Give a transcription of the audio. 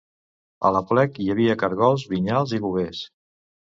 A l'aplec hi havia caragols vinyals i bovers